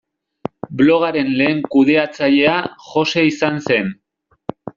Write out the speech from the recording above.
Blogaren lehen kudeatzailea Jose izan zen.